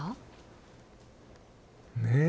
ねえ。